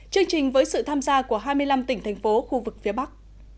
chương trình với sự tham gia của hai mươi năm tỉnh thành phố khu vực phía bắc